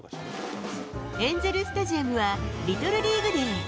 エンゼル・スタジアムは、リトルリーグ・デー。